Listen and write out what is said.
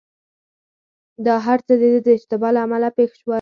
دا هرڅه دده د اشتباه له امله پېښ شول.